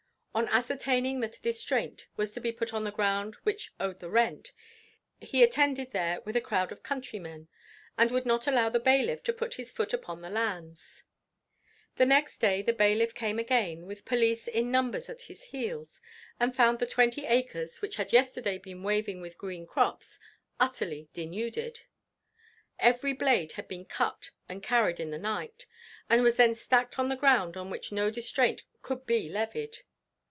On ascertaining that a distraint was to be put on the ground which owed the rent, he attended there with a crowd of countrymen, and would not allow the bailiff to put his foot upon the lands; the next day the bailiff came again with police in numbers at his heels, and found the twenty acres which had yesterday been waving with green crops, utterly denuded. Every blade had been cut and carried in the night, and was then stacked on the ground on which no distraint could be levied.